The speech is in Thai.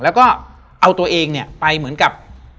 แล้วก็เอาตัวเองเนี่ยไปเหมือนกับ